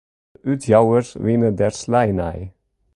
De útjouwers wiene der slij nei.